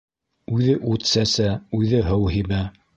Үҙе ут сәсә, үҙе һыу һибә.